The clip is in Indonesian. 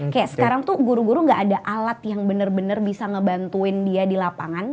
kayak sekarang tuh guru guru gak ada alat yang benar benar bisa ngebantuin dia di lapangan